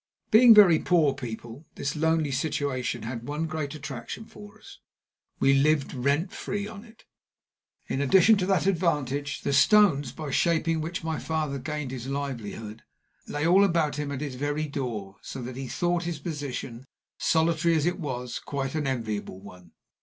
Being very poor people, this lonely situation had one great attraction for us we lived rent free on it. In addition to that advantage, the stones, by shaping which my father gained his livelihood, lay all about him at his very door, so that he thought his position, solitary as it was, quite an enviable one.